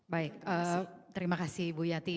baik terima kasih bu yati